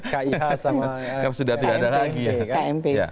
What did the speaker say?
kih sama kmp